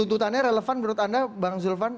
tuntutannya relevan menurut anda bang zulfan